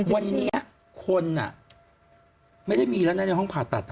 วันนี้คนไม่ได้มีแล้วนะในห้องผ่าตัด